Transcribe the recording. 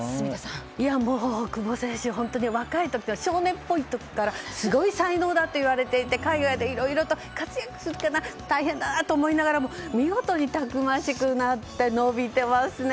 久保選手、本当に若い時は少年っぽい時からすごい才能だと言われていて海外でいろいろ活躍するから大変だなと思いながらも見事にたくましくなって伸びてますね。